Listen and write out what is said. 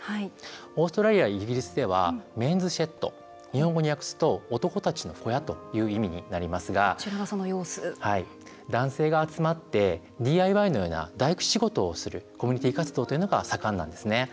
オーストラリアやイギリスではｍｅｎ’ｓｓｈｅｄｓ日本語に訳すと男たちの小屋という意味になりますが男性が集まってＤＩＹのような大工仕事をするコミュニティー活動というのが盛んなんですね。